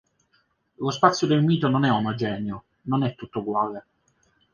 Lo spazio del mito non è omogeneo, non è tutto uguale.